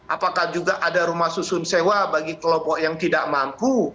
apakah juga ada rumah susun sewa bagi kelompok yang tidak mampu